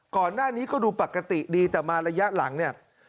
ก่อนหน้านี้ก็ดูปกติดีแต่มาระยะหลังเนี่ย